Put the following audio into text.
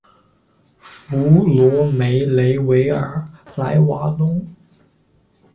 弗罗梅雷维尔莱瓦隆。